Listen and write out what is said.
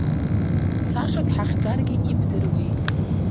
Саша дҳахьӡаргьы ибдыруеи!